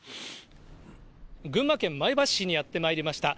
群馬県前橋市にやって参りました。